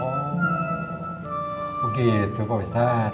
oh begitu pak ustadz